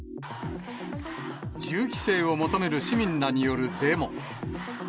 銃規制を求める市民らによるデモ。